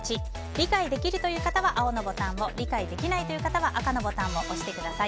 理解できるという方は青のボタンを理解できないという方は赤のボタンを押してください。